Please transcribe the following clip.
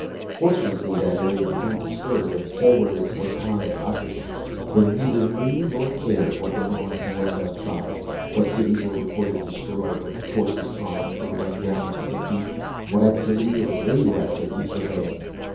Fortunately, that area was undisturbed, and so were its laconic occupants. They neither knew nor cared what went on in the world outside; what cities were reported destroyed, what forces triumphed or went down into defeat, what activity or radioactivity prevailed.